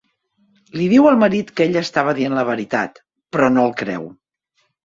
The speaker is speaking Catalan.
Li diu al marit que ella estava dient la veritat, però no el creu.